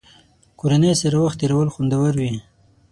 کورنۍ سره وخت تېرول خوندور وي.